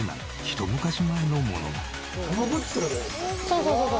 そうそうそうそう。